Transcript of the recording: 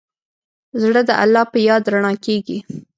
زړه د الله په یاد رڼا کېږي.